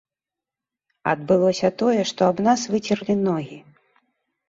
Адбылося тое, што аб нас выцерлі ногі.